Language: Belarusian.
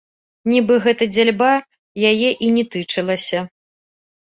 Нібы гэтая дзяльба яе і не тычылася.